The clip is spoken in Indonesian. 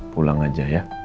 pulang aja ya